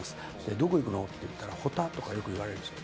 どこ行くのって言ったら、保田とかよく言われるんですよ。